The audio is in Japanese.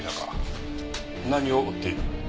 何を追っている？